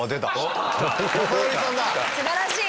素晴らしい！